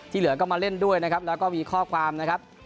เหลือก็มาเล่นด้วยนะครับแล้วก็มีข้อความนะครับ